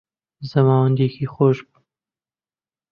زەماوندێکی خۆش بوو